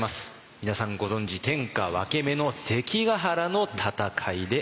皆さんご存じ天下分け目の関ヶ原の戦いであります。